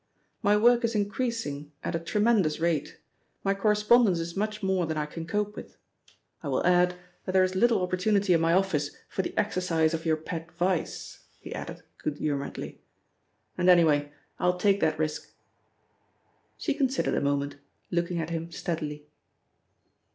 My work is increasing at a tremendous rate; my correspondence is much more than I can cope with. I will add, that there is little opportunity in my office for the exercise of your pet vice," he added good humouredly, "and anyway, I'll take that risk." She considered a moment, looking at him steadily.